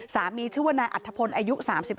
สามีชื่อวนายอัธพนธ์อายุ๓๕